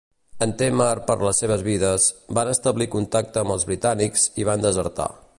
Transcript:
En témer per les seves vides, van establir contacte amb els britànics i van desertar.